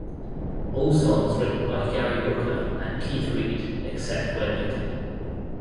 All songs written by Gary Brooker and Keith Reid except where noted.